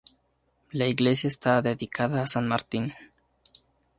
La iglesia está dedicada a san Martín.